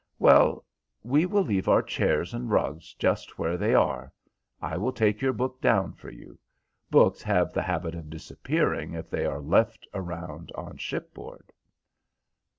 "Well, we will leave our chairs and rugs just where they are. I will take your book down for you. Books have the habit of disappearing if they are left around on shipboard."